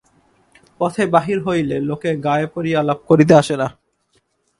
পথে বাহির হইলে লোকে গায়ে পড়িয়া আলাপ করিতে আসে না।